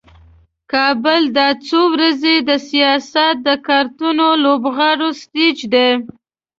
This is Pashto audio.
کابل دا څو ورځې د سیاست د کارتوني لوبغاړو سټیج دی.